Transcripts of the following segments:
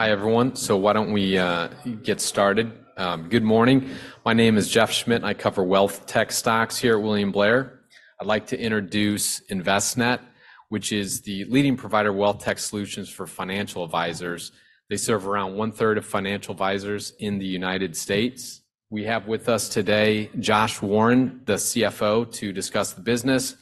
Hi, everyone. So why don't we get started? Good morning. My name is Jeff Schmitt, and I cover WealthTech stocks here at William Blair. I'd like to introduce Envestnet, which is the leading provider of WealthTech solutions for financial advisors. They serve around one-third of financial advisors in the United States. We have with us today Josh Warren, the CFO, to discuss the business.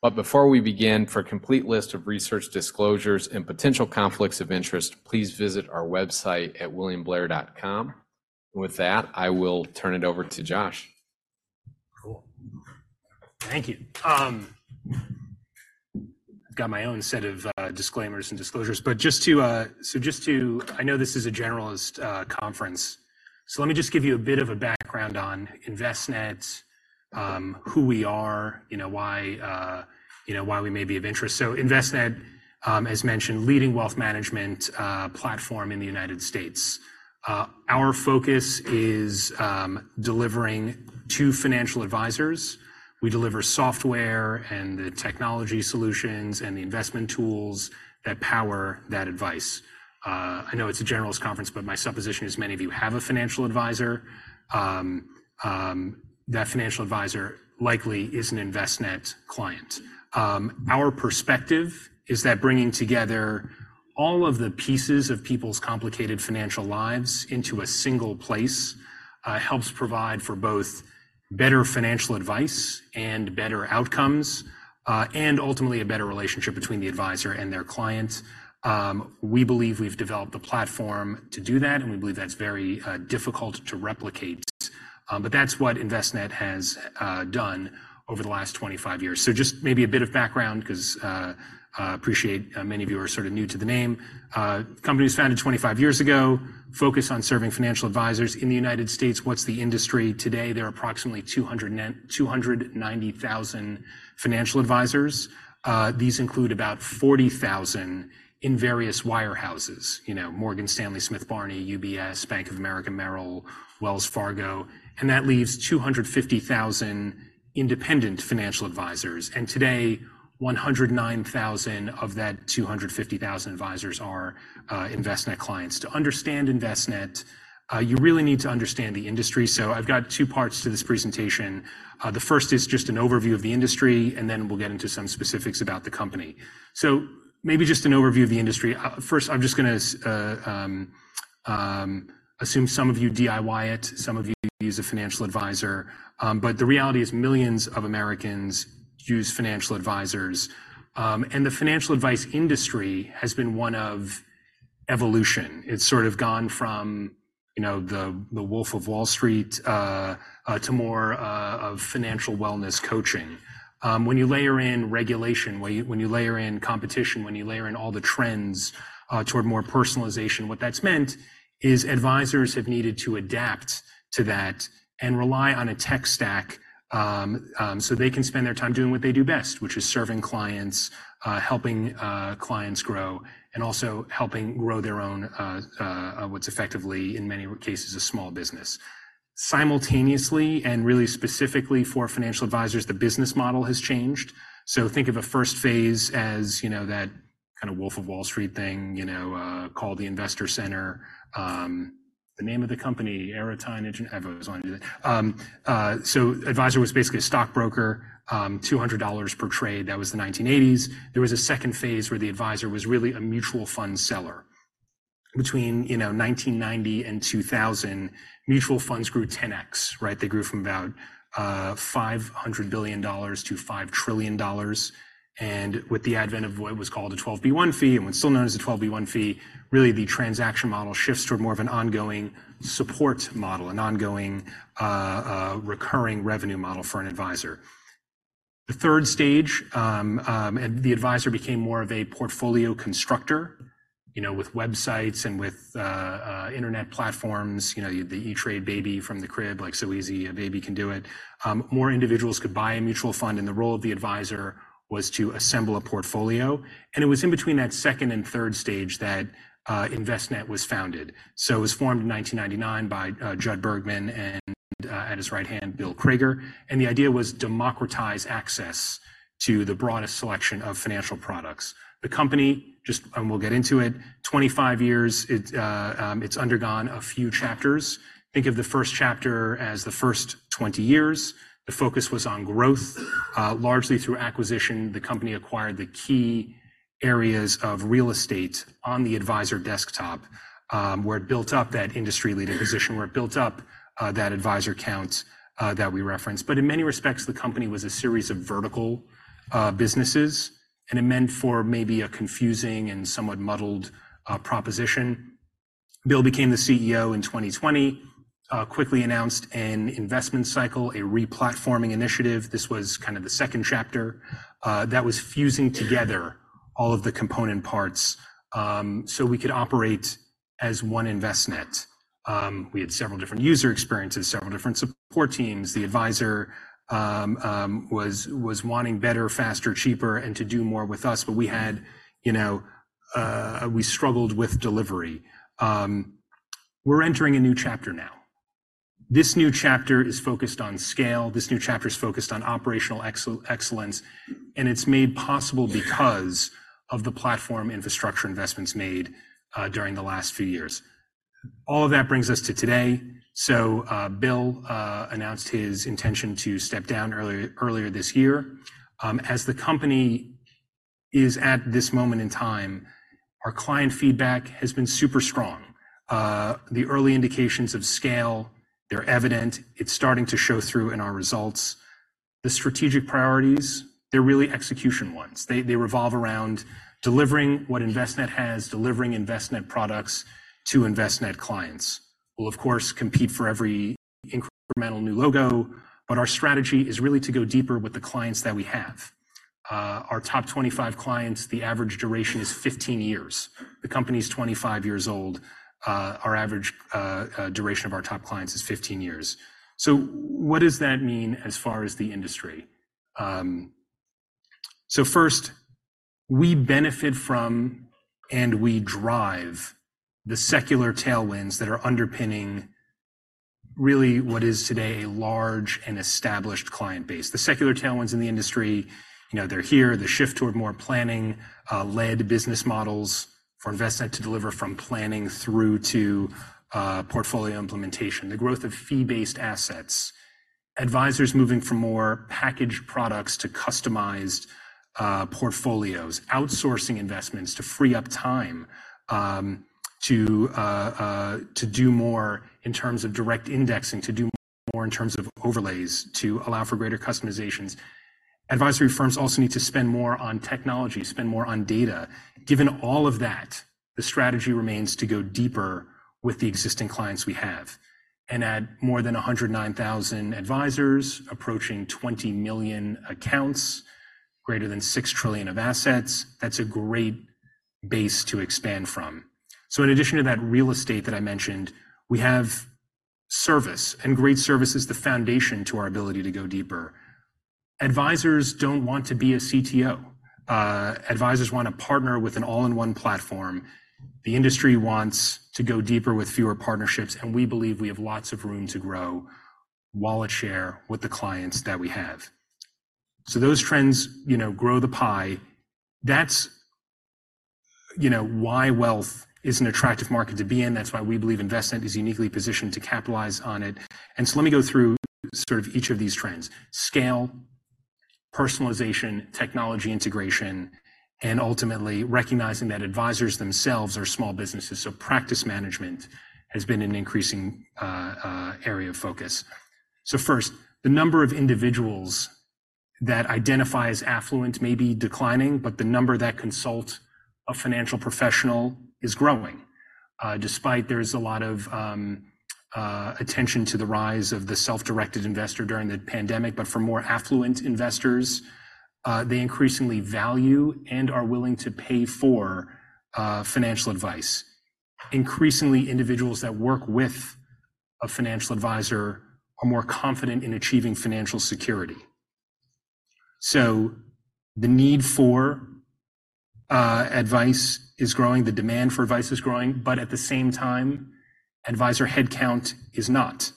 But before we begin, for a complete list of research disclosures and potential conflicts of interest, please visit our website at williamblair.com. With that, I will turn it over to Josh. Cool. Thank you. I've got my own set of disclaimers and disclosures, but just to, I know this is a generalist conference, so let me just give you a bit of a background on Envestnet, who we are, you know, why, you know, why we may be of interest. So Envestnet, as mentioned, leading wealth management platform in the United States. Our focus is delivering to financial advisors. We deliver software and the technology solutions and the investment tools that power that advice. I know it's a generalist conference, but my supposition is many of you have a financial advisor. That financial advisor likely is an Envestnet client. Our perspective is that bringing together all of the pieces of people's complicated financial lives into a single place helps provide for both better financial advice and better outcomes, and ultimately a better relationship between the advisor and their clients. We believe we've developed a platform to do that, and we believe that's very difficult to replicate. But that's what Envestnet has done over the last 25 years. So just maybe a bit of background, 'cause I appreciate that many of you are sort of new to the name. Company was founded 25 years ago, focused on serving financial advisors in the United States. What's the industry today? There are approximately 290,000 financial advisors. These include about 40,000 in various wirehouses, you know, Morgan Stanley, Smith Barney, UBS, Bank of America, Merrill, Wells Fargo, and that leaves 250,000 independent financial advisors. And today, 109,000 of that 250,000 advisors are Envestnet clients. To understand Envestnet, you really need to understand the industry. So I've got two parts to this presentation. The first is just an overview of the industry, and then we'll get into some specifics about the company. So maybe just an overview of the industry. First, I'm just gonna assume some of you DIY it, some of you use a financial advisor, but the reality is millions of Americans use financial advisors. And the financial advice industry has been one of evolution. It's sort of gone from, you know, the, the Wolf of Wall Street, to more of financial wellness coaching. When you layer in regulation, when you, when you layer in competition, when you layer in all the trends, toward more personalization, what that's meant is advisors have needed to adapt to that and rely on a tech stack, so they can spend their time doing what they do best, which is serving clients, helping clients grow, and also helping grow their own, what's effectively, in many cases, a small business. Simultaneously, and really specifically for financial advisors, the business model has changed. So think of a first phase as, you know, that kind of Wolf of Wall Street thing, you know, call the investor center, the name of the company, Aerotyne... I always want to do that. So advisor was basically a stockbroker, $200 per trade. That was the 1980s. There was a second phase where the advisor was really a mutual fund seller. Between, you know, 1990 and 2000, mutual funds grew 10x, right? They grew from about $500 billion to $5 trillion. And with the advent of what was called a 12b-1 fee, and what's still known as a 12b-1 fee, really the transaction model shifts to more of an ongoing support model, an ongoing recurring revenue model for an advisor. The third stage, and the advisor became more of a portfolio constructor, you know, with websites and with internet platforms, you know, the E*TRADE baby from the crib, like, so easy, a baby can do it. More individuals could buy a mutual fund, and the role of the advisor was to assemble a portfolio. It was in between that second and third stage that Envestnet was founded. It was formed in 1999 by Judd Bergman and, at his right hand, Bill Crager, and the idea was democratize access to the broadest selection of financial products. The company, just, and we'll get into it, 25 years, it, it's undergone a few chapters. Think of the first chapter as the first 20 years. The focus was on growth, largely through acquisition. The company acquired the key areas of real estate on the advisor desktop, where it built up that industry-leading position, where it built up, that advisor count, that we referenced. But in many respects, the company was a series of vertical businesses, and it meant for maybe a confusing and somewhat muddled proposition. Bill became the CEO in 2020, quickly announced an investment cycle, a replatforming initiative. This was kind of the second chapter that was fusing together all of the component parts, so we could operate as one Envestnet. We had several different user experiences, several different support teams. The advisor was wanting better, faster, cheaper, and to do more with us, but we had, you know, we struggled with delivery. We're entering a new chapter now.... This new chapter is focused on scale, this new chapter is focused on operational excellence, and it's made possible because of the platform infrastructure investments made during the last few years. All of that brings us to today. So, Bill announced his intention to step down earlier this year. As the company is at this moment in time, our client feedback has been super strong. The early indications of scale, they're evident. It's starting to show through in our results. The strategic priorities, they're really execution ones. They revolve around delivering what Envestnet has, delivering Envestnet products to Envestnet clients. We'll, of course, compete for every incremental new logo, but our strategy is really to go deeper with the clients that we have. Our top 25 clients, the average duration is 15 years. The company is 25 years old. Our average duration of our top clients is 15 years. So what does that mean as far as the industry? So first, we benefit from, and we drive the secular tailwinds that are underpinning really what is today a large and established client base. The secular tailwinds in the industry, you know, they're here. The shift toward more planning led business models for Envestnet to deliver from planning through to portfolio implementation. The growth of fee-based assets, advisors moving from more packaged products to customized portfolios, outsourcing investments to free up time to do more in terms of direct indexing, to do more in terms of overlays, to allow for greater customizations. Advisory firms also need to spend more on technology, spend more on data. Given all of that, the strategy remains to go deeper with the existing clients we have and add more than 109,000 advisors, approaching 20 million accounts, greater than $6 trillion of assets. That's a great base to expand from. So in addition to that real estate that I mentioned, we have service, and great service is the foundation to our ability to go deeper. Advisors don't want to be a CTO. Advisors want to partner with an all-in-one platform. The industry wants to go deeper with fewer partnerships, and we believe we have lots of room to grow wallet share with the clients that we have. So those trends, you know, grow the pie. That's, you know, why wealth is an attractive market to be in. That's why we believe Envestnet is uniquely positioned to capitalize on it. And so let me go through sort of each of these trends: scale, personalization, technology integration, and ultimately recognizing that advisors themselves are small businesses, so practice management has been an increasing area of focus. So first, the number of individuals that identify as affluent may be declining, but the number that consult a financial professional is growing. Despite there's a lot of attention to the rise of the self-directed investor during the pandemic, but for more affluent investors, they increasingly value and are willing to pay for financial advice. Increasingly, individuals that work with a financial advisor are more confident in achieving financial security. So the need for advice is growing, the demand for advice is growing, but at the same time, advisor headcount is not.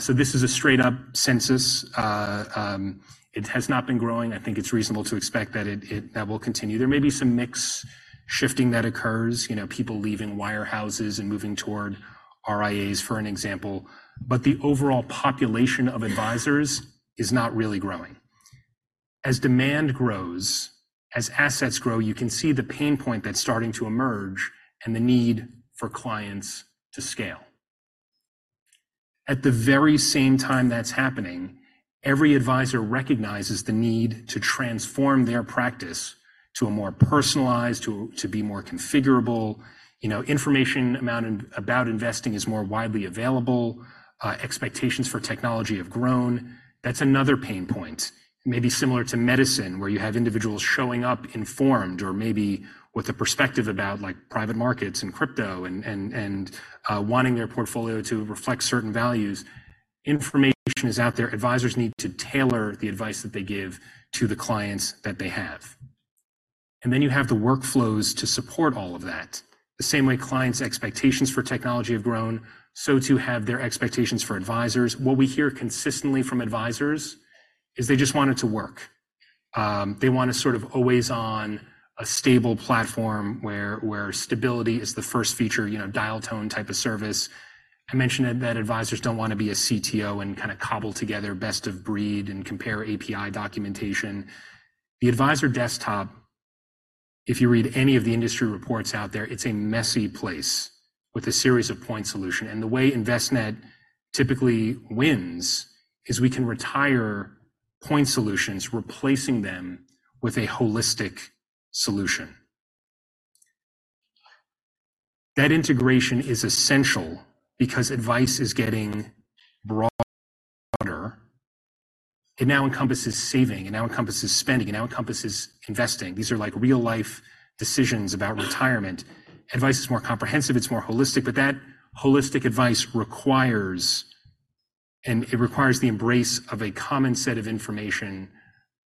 So this is a straight-up census. It has not been growing. I think it's reasonable to expect that that will continue. There may be some mix shifting that occurs, you know, people leaving wirehouses and moving toward RIAs, for an example, but the overall population of advisors is not really growing. As demand grows, as assets grow, you can see the pain point that's starting to emerge and the need for clients to scale. At the very same time that's happening, every advisor recognizes the need to transform their practice to a more personalized, to be more configurable. You know, information amount about investing is more widely available, expectations for technology have grown. That's another pain point. Maybe similar to medicine, where you have individuals showing up informed or maybe with a perspective about, like, private markets and crypto and wanting their portfolio to reflect certain values. Information is out there. Advisors need to tailor the advice that they give to the clients that they have. And then you have the workflows to support all of that. The same way clients' expectations for technology have grown, so too have their expectations for advisors. What we hear consistently from advisors is they just want it to work. They want a sort of always on, a stable platform where stability is the first feature, you know, dial tone type of service. I mentioned that advisors don't want to be a CTO and kind of cobble together best of breed and compare API documentation. The advisor desktop, if you read any of the industry reports out there, it's a messy place with a series of point solutions. And the way Envestnet typically wins is we can retire point solutions, replacing them with a holistic solution. That integration is essential because advice is getting broader. It now encompasses saving, it now encompasses spending, it now encompasses investing. These are like real-life decisions about retirement. Advice is more comprehensive, it's more holistic, but that holistic advice requires the embrace of a common set of information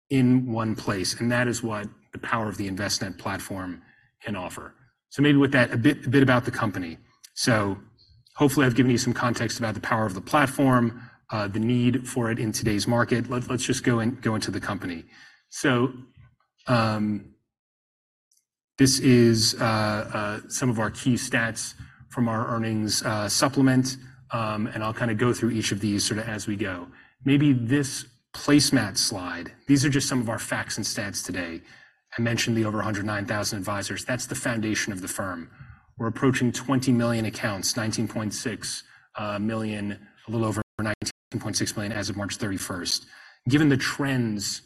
in one place, and that is what the power of the Envestnet Platform can offer. So maybe with that, a bit about the company. So hopefully I've given you some context about the power of the platform, the need for it in today's market. Let's just go into the company. So, this is some of our key stats from our earnings supplement, and I'll kind of go through each of these sort of as we go. Maybe this placemat slide, these are just some of our facts and stats today. I mentioned the over 109,000 advisors. That's the foundation of the firm. We're approaching 20 million accounts, 19.6 million, a little over 19.6 million as of March 31st. Given the trends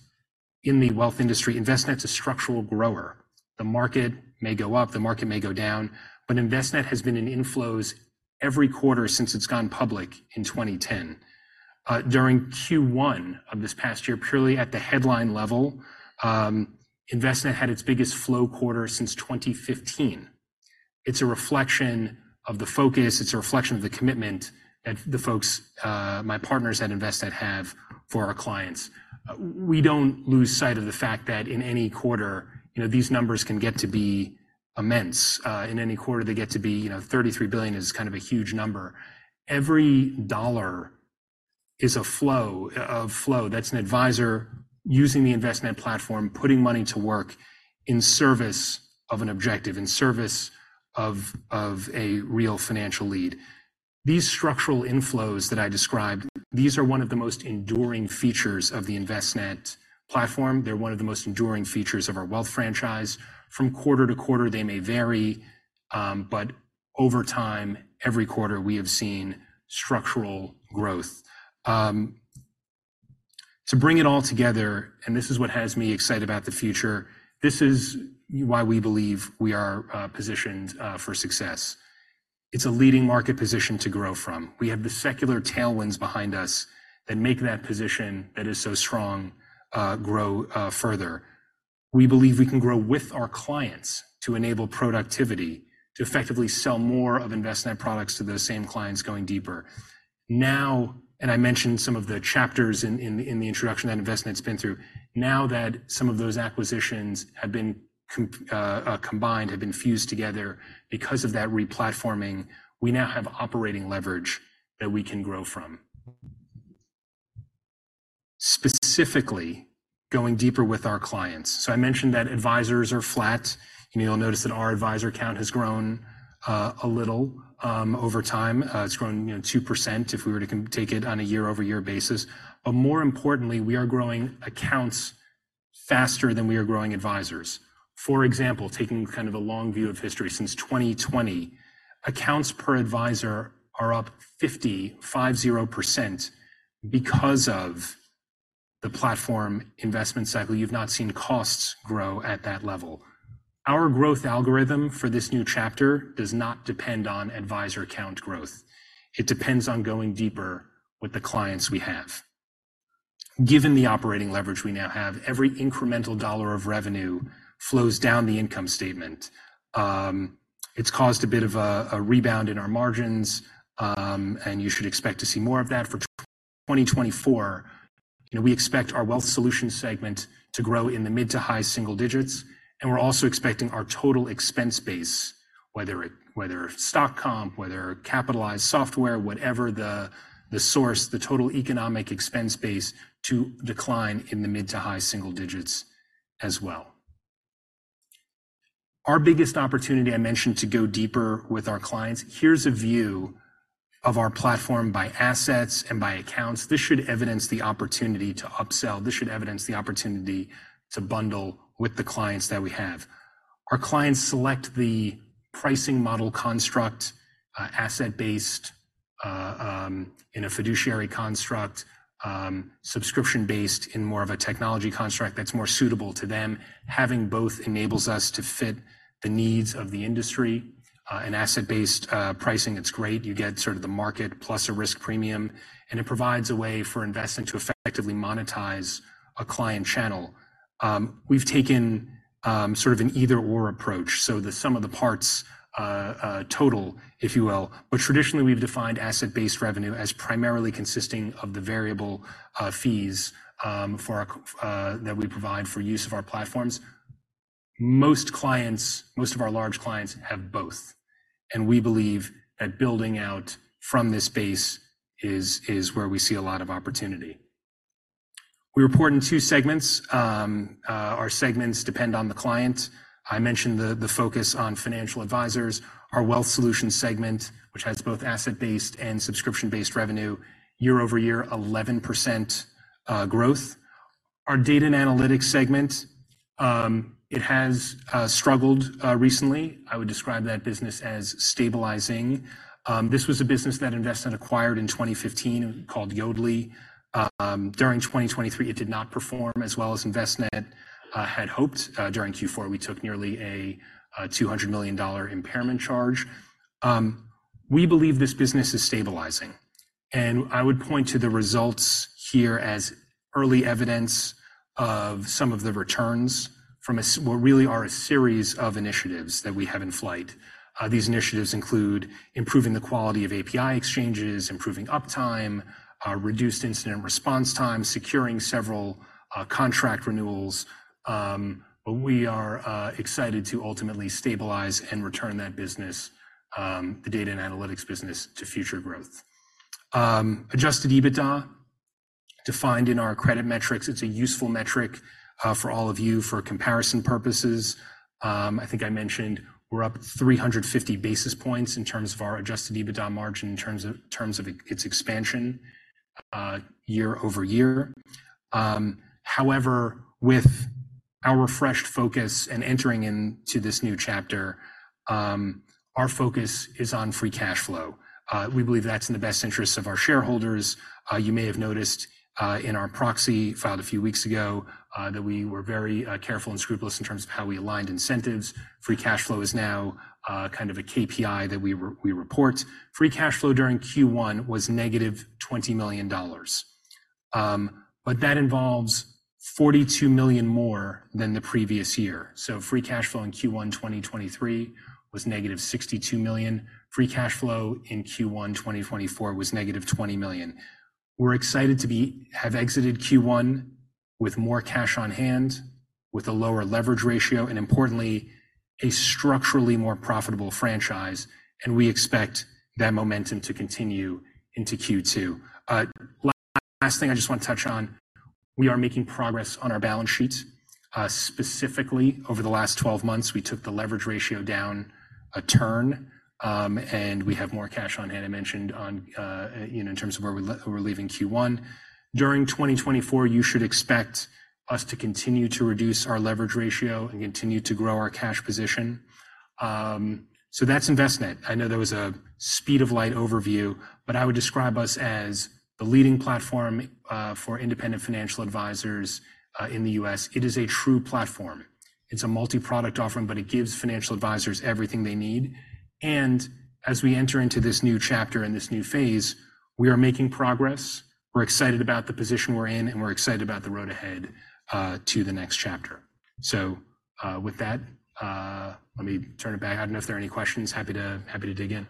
in the wealth industry, Envestnet's a structural grower. The market may go up, the market may go down, but Envestnet has been in inflows every quarter since it's gone public in 2010. During Q1 of this past year, purely at the headline level, Envestnet had its biggest flow quarter since 2015. It's a reflection of the focus, it's a reflection of the commitment that the folks, my partners at Envestnet have for our clients. We don't lose sight of the fact that in any quarter, you know, these numbers can get to be immense. In any quarter, they get to be... You know, $33 billion is kind of a huge number. Every dollar is a flow, a flow. That's an advisor using the Envestnet Platform, putting money to work in service of an objective, in service of, of a real financial lead. These structural inflows that I described, these are one of the most enduring features of the Envestnet Platform. They're one of the most enduring features of our wealth franchise. From quarter to quarter, they may vary, but over time, every quarter, we have seen structural growth. To bring it all together, and this is what has me excited about the future, this is why we believe we are positioned for success. It's a leading market position to grow from. We have the secular tailwinds behind us that make that position that is so strong grow further. We believe we can grow with our clients to enable productivity, to effectively sell more of Envestnet products to those same clients going deeper. Now, I mentioned some of the chapters in the introduction that Envestnet's been through. Now that some of those acquisitions have been combined, have been fused together, because of that replatforming, we now have operating leverage that we can grow from. Specifically, going deeper with our clients. So I mentioned that advisors are flat, and you'll notice that our advisor count has grown a little over time. It's grown, you know, 2% if we were to take it on a year-over-year basis. But more importantly, we are growing accounts faster than we are growing advisors. For example, taking kind of a long view of history, since 2020, accounts per advisor are up 50% because of the platform investment cycle. You've not seen costs grow at that level. Our growth algorithm for this new chapter does not depend on advisor account growth. It depends on going deeper with the clients we have. Given the operating leverage we now have, every incremental dollar of revenue flows down the income statement. It's caused a bit of a rebound in our margins, and you should expect to see more of that for 2024. You know, we expect our wealth solution segment to grow in the mid- to high-single digits, and we're also expecting our total expense base, whether stock comp, whether capitalized software, whatever the source, the total economic expense base, to decline in the mid- to high-single digits as well. Our biggest opportunity, I mentioned, to go deeper with our clients. Here's a view of our platform by assets and by accounts. This should evidence the opportunity to upsell. This should evidence the opportunity to bundle with the clients that we have. Our clients select the pricing model construct, asset-based in a fiduciary construct, subscription-based in more of a technology construct that's more suitable to them. Having both enables us to fit the needs of the industry. And asset-based pricing, it's great. You get sort of the market plus a risk premium, and it provides a way for Envestnet to effectively monetize a client channel. We've taken sort of an either/or approach, so the sum of the parts total, if you will. But traditionally, we've defined asset-based revenue as primarily consisting of the variable fees that we provide for use of our platforms. Most clients, most of our large clients have both, and we believe that building out from this base is, is where we see a lot of opportunity. We report in two segments. Our segments depend on the client. I mentioned the, the focus on financial advisors. Our Wealth Solutions segment, which has both asset-based and subscription-based revenue, year-over-year, 11%, growth. Our Data & Analytics segment, it has struggled recently. I would describe that business as stabilizing. This was a business that Envestnet acquired in 2015, called Yodlee. During 2023, it did not perform as well as Envestnet had hoped. During Q4, we took nearly a $200 million impairment charge. We believe this business is stabilizing, and I would point to the results here as early evidence.... of some of the returns from a series of initiatives that we have in flight. These initiatives include improving the quality of API exchanges, improving uptime, reduced incident response time, securing several contract renewals. But we are excited to ultimately stabilize and return that business, the data and analytics business, to future growth. Adjusted EBITDA, defined in our credit metrics, it's a useful metric for all of you for comparison purposes. I think I mentioned we're up 350 basis points in terms of our adjusted EBITDA margin, in terms of its expansion, year-over-year. However, with our refreshed focus and entering into this new chapter, our focus is on free cash flow. We believe that's in the best interest of our shareholders. You may have noticed in our proxy filed a few weeks ago that we were very careful and scrupulous in terms of how we aligned incentives. Free cash flow is now kind of a KPI that we report. Free cash flow during Q1 was negative $20 million. But that involves $42 million more than the previous year. So free cash flow in Q1 2023 was negative $62 million. Free cash flow in Q1 2024 was negative $20 million. We're excited to have exited Q1 with more cash on hand, with a lower leverage ratio, and importantly, a structurally more profitable franchise, and we expect that momentum to continue into Q2. Last thing I just want to touch on, we are making progress on our balance sheets. Specifically, over the last 12 months, we took the leverage ratio down a turn, and we have more cash on hand. I mentioned on, you know, in terms of where we're leaving Q1. During 2024, you should expect us to continue to reduce our leverage ratio and continue to grow our cash position. So that's Envestnet. I know that was a speed of light overview, but I would describe us as the leading platform for independent financial advisors in the U.S. It is a true platform. It's a multi-product offering, but it gives financial advisors everything they need. And as we enter into this new chapter and this new phase, we are making progress. We're excited about the position we're in, and we're excited about the road ahead to the next chapter. So, with that, let me turn it back. I don't know if there are any questions. Happy to, happy to dig in.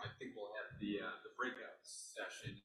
I think we'll have the breakout session.